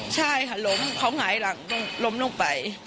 ใช่ค่ะล้มเขาหงายหลังล้มลงไป